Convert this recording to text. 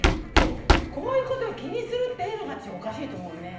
こういうことを気にするっていうのがおかしいと思うのよね。